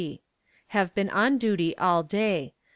C. Have been on duty all day.